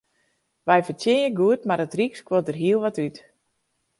Wy fertsjinje goed, mar it ryk skuort der hiel wat út.